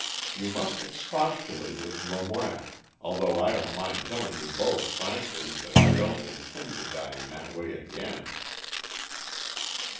You must expostulate with Lemoine, although I don't mind telling you both frankly that I don't intend to die in that way again."